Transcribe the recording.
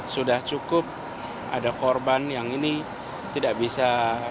sudah cukup ada korban yang ini tidak bisa